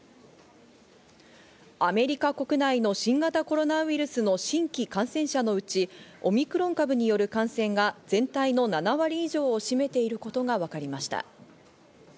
アメリカ国内の新型コロナウイルスの新規感染者のうち、オミクロン株による感染が全体の７割以上を占めていることがわかりました。